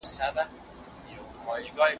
يس سورت په {يس} شروع سوی دی.